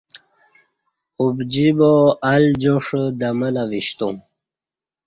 ابجی با ال جاݜہ دمہ لہ وشتو م